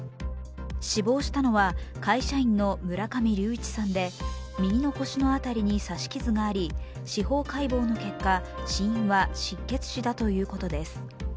死亡したのは会社員の村上隆一さんで、右の腰の辺りに刺し傷があり司法解剖の結果死因は失血死だということです。